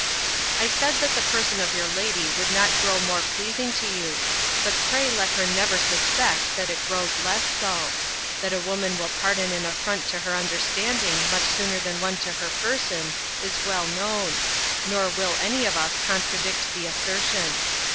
I said that the person of your lady would not grow more pleasing to you; but pray let her never suspect that it grows less so: that a woman will pardon an affront to her understanding much sooner than one to her person, is well known; nor will any of us contradict the assertion.